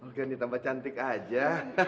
oke ini tampak cantik aja